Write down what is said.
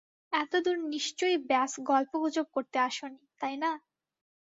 এতোদূর নিশ্চয়ই ব্যস গল্পগুজব করতে আসোনি, তাই না?